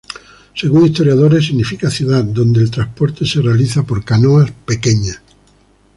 Según historiadores, significa "ciudad", donde el transporte se realiza por canoas pequeñas.